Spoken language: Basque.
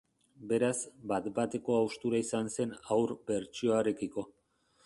Beraz, bat-bateko haustura izan zen haur bertsioarekiko.